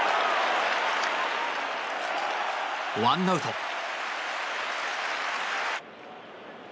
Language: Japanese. １アウト。